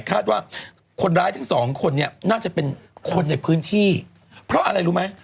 คาดว่าคนร้ายทั้งสองคนเนี่ยน่าจะเป็นคนในพื้นที่เพราะอะไรรู้ไหม